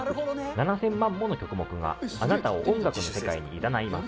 ７０００万もの曲目が、あなたを音楽の世界にいざないます。